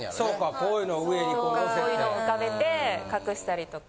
こういうのを浮かべて隠したりとか。